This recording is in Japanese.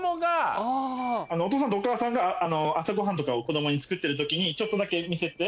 お父さんとお母さんが朝ごはんとかを子供に作ってる時にちょっとだけ見せて。